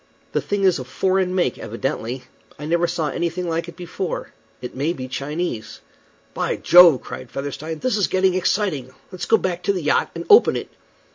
The thing is of foreign make, evidently. I never saw anything like it before. It may be Chinese." "By Jove!" cried Featherstone, "this is getting exciting. Let's go back to the yacht and open it."